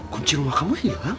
kunci rumah kamu hilang